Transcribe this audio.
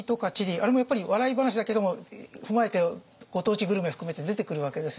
あれもやっぱり笑い話だけども踏まえてご当地グルメ含めて出てくるわけですよね。